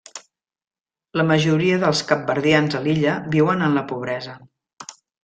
La majoria dels capverdians a l'illa viuen en la pobresa.